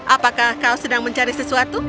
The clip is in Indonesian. apakah kau sedang mencari sesuatu